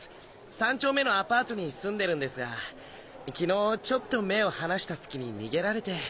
３丁目のアパートに住んでるんですがきのうちょっと目を離した隙に逃げられて。